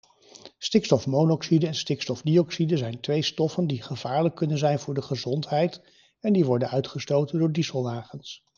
Stikstofmonoxide en stikstofdioxide zijn twee stoffen die gevaarlijk kunnen zijn voor de gezondheid en die worden uitgestoten door dieselwagens.